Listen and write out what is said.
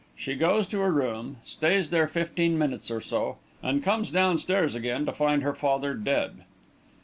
She goes to her room, stays there fifteen minutes or so, and comes downstairs again to find her father dead.